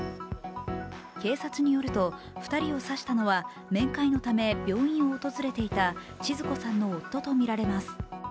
警察によると２人を刺したのは面会のため病院を訪れていたちづ子さんの夫とみられます。